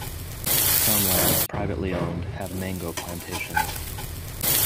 Some lands privately owned have mango plantations.